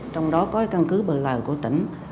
trong đó có căn cứ bờ lờ của tỉnh